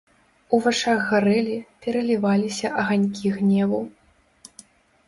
У вачах гарэлі, пераліваліся аганькі гневу.